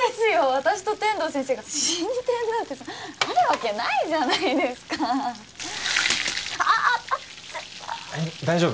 私と天堂先生が進展なんてあるわけないじゃないですかああっ熱っ大丈夫？